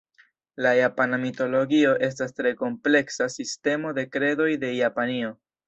La japana mitologio estas tre kompleksa sistemo de kredoj de Japanio.